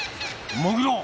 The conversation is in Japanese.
潜ろう。